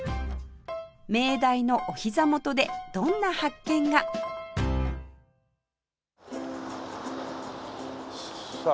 明大のお膝元でどんな発見が？さあ